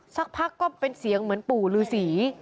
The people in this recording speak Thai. สักพักก็เป็นเสียงเหมือนปู่ฤษี